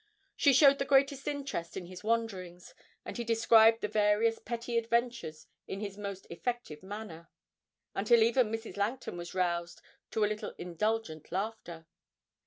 She showed the greatest interest in his wanderings, and he described the various petty adventures in his most effective manner, until even Mrs. Langton was roused to a little indulgent laughter.